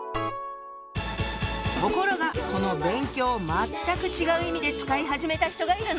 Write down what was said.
ところがこの「勉強」を全く違う意味で使い始めた人がいるの！